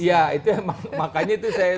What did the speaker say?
ya itu ya makanya itu saya sampai